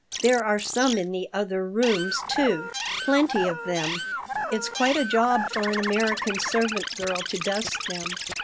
There are some in the other rooms, too. Plenty of them. It's quite a job for an American servant girl to dust them."